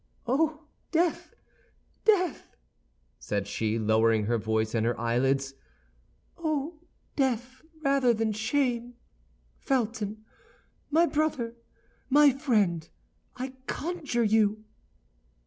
"Oh, death, death!" said she, lowering her voice and her eyelids, "oh, death, rather than shame! Felton, my brother, my friend, I conjure you!"